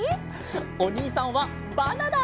おにいさんはバナナ！